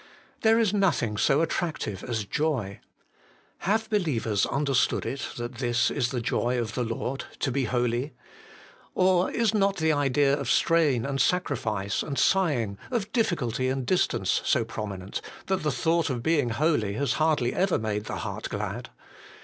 There is nothing so attractive as joy : have believers understood it that this is the joy of the Lord to be holy ? Or is not the idea of strain, and sacrifice, and sighing, HOLINESS AND HAPPINESS. 191 of difficulty and distance so prominent, that the thought of being holy has hardly ever made the heart glad